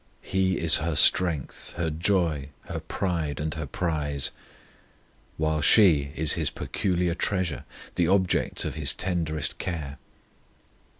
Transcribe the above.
He is her strength, her joy, her pride, and her prize; while she is His peculiar treasure, the object of His tenderest care.